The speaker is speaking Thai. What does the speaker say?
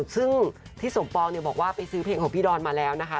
ซึ่งพี่สมปองบอกว่าไปซื้อเพลงของพี่ดอนมาแล้วนะคะ